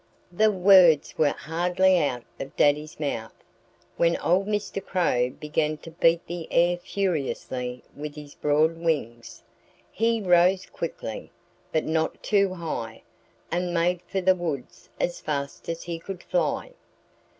The words were hardly out of Daddy's mouth when old Mr. Crow began to beat the air furiously with his broad wings. He rose quickly but not too high and made for the woods as fast as he could fly.